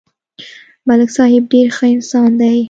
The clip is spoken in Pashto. ملک صاحب ډېر ښه انسان دی